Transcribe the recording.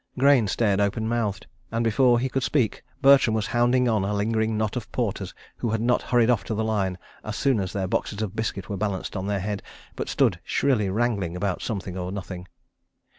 Grayne stared open mouthed, and before he could speak Bertram was hounding on a lingering knot of porters who had not hurried off to the line as soon as their boxes of biscuit were balanced on their heads, but stood shrilly wrangling about something or nothing.